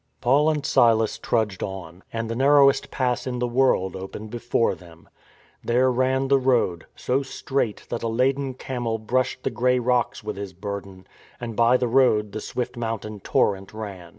Paul and Silas trudged on; and the narrowest pass in the world opened before them. There ran the road, so strait that a laden camel brushed the grey rocks with his burden, and by the road the swift mountain torrent ran.